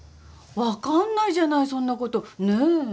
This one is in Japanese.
分かんないじゃないそんなことねえ。